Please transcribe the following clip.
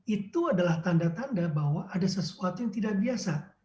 itu adalah tanda tanda bahwa ada sesuatu yang tidak biasa